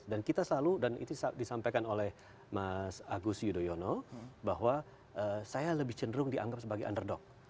dan kita selalu dan itu disampaikan oleh mas agus yudhoyono bahwa saya lebih cenderung dianggap sebagai underdog